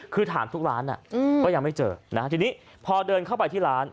คือถามทุกร้านก็ยังไม่เจอนะฮะทีนี้พอเดินเข้าไปที่ร้าน